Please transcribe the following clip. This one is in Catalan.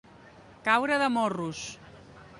Caure de morros.